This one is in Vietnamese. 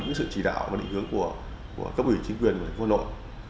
những sự chỉ đạo và định hướng của cấp ủy chính quyền của thành phố hà nội